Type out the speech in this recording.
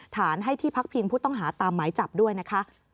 ให้ที่พักพิงผู้ต้องหาตามหมายจับด้วยนะคะ